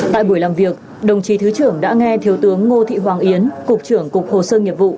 tại buổi làm việc đồng chí thứ trưởng đã nghe thiếu tướng ngô thị hoàng yến cục trưởng cục hồ sơ nghiệp vụ